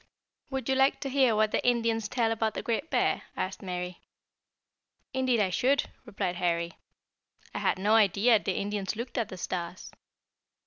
"Would you like to hear what the Indians tell about the Great Bear?" asked Mary. "Indeed I should," replied Harry. "I had no idea the Indians looked at the stars."